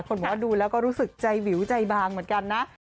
คนบอกว่าดูแล้วก็รู้สึกใจวิวใจบางเหมือนกันนะ